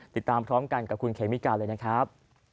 ติดตามพร้อมกันกับคุณเคมิกาเลยนะครับ